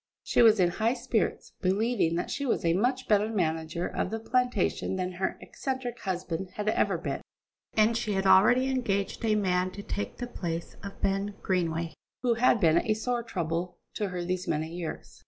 She was in high spirits, believing that she was a much better manager of the plantation than her eccentric husband had ever been, and she had already engaged a man to take the place of Ben Greenway, who had been a sore trouble to her these many years.